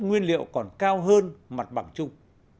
nguyên liệu còn cao hơn mặt bảng chung